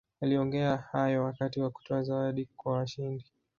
aliongea hayo wakati wa kutoa zawadi kwa washindi